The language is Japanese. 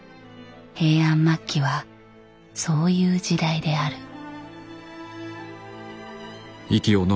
平安末期はそういう時代である。